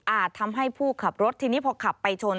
ทำให้ผู้ขับรถทีนี้พอขับไปชน